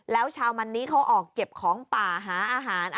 แล้วชาวมันนี้เขาออกเก็บของป่าหาอาหาร